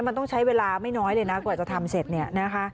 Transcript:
มันต้องใช้เวลาไม่น้อยเลยนะกว่าจะทำเสร็จ